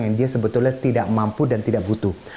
yang dia sebetulnya tidak mampu dan tidak butuh